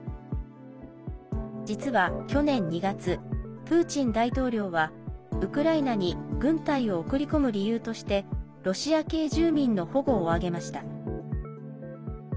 実は去年２月、プーチン大統領はウクライナに軍隊を送り込む理由として「ロシア系住民の保護」を挙げました。